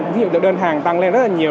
ví dụ đơn hàng tăng lên rất là nhiều